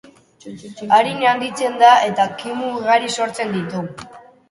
Arin handitzen da eta kimu ugari sortzen ditu.